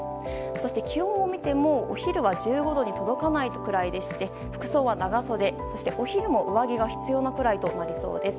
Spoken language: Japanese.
そして、気温を見るとお昼も１５度に届かないくらいで服装は長袖をそしてお昼も上着が必要なぐらいになりそうです。